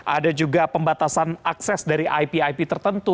ada juga pembatasan akses dari ip ip tertentu